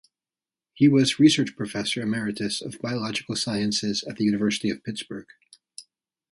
He was Research Professor Emeritus of Biological Sciences at the University of Pittsburgh.